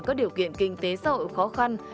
có điều kiện kinh tế xã hội khó khăn